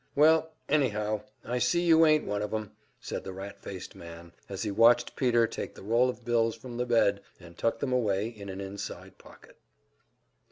"Well, anyhow, I see you ain't one of 'em," said the rat faced man, as he watched Peter take the roll of bills from the bed and tuck them away in an inside pocket.